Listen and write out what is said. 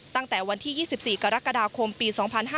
ตั้งแต่วันที่๒๔กรกฎาคมปี๒๕๕๙